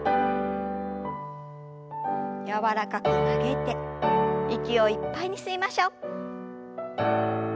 柔らかく曲げて息をいっぱいに吸いましょう。